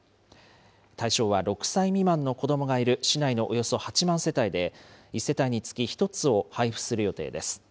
対象は６歳未満の子どもがいる市内のおよそ８万世帯で、１世帯につき１つを配布する予定です。